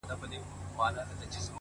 o دا چا ويل چي له هيواده سره شپې نه كوم؛